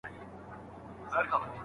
آیا خرس تر لیوه دروند دی؟